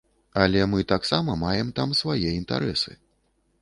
Але мы таксама маем там свае інтарэсы.